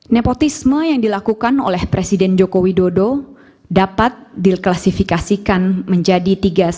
perkurangan yang digelar oleh presiden jokowi dodo dapat dilak nurqa tersebut labels kelasifikasi menjadi tiga skematik